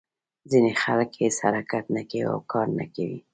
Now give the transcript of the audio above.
ځینې خلک هېڅ حرکت نه کوي او کار نه کوي.